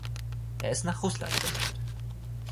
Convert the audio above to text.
Er ist nach Russland benannt.